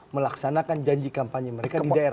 melaksanakan janji kampanye mereka di daerah